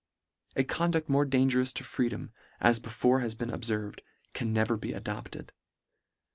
A conduct more dangerous to freedom, as be fore has been obferved, can never be adopt ed.